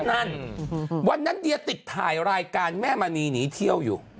นั่นวันนั้นเดียติดถ่ายรายการแม่มณีหนีเที่ยวอยู่